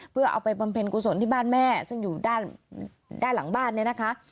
เพื่อเอาไปบำเพ็ญกุศลที่บ้านแม่ซึ่งอยู่ด้านหลังบ้านเนี่ยนะคะ